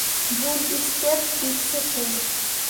ভুল স্টেপ দিচ্ছে সে।